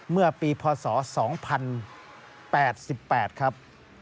เมื่อปีพศ๒๐๘๘ครับ